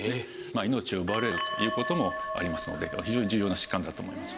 命を奪われるという事もありますので非常に重要な疾患だと思います。